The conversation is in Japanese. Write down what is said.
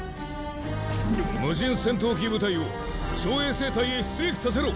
無人戦闘機部隊を小衛星帯へ出撃させろ！